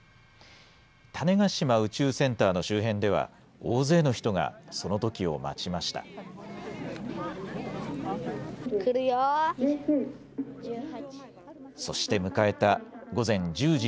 種子島宇宙センターの周辺では、大勢の人がその時を待ちました。